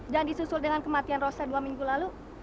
dan disusul dengan kematian rosa dua minggu lalu